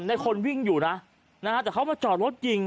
ในคนวิ่งอยู่นะนะฮะแต่เขามาจอดรถยิง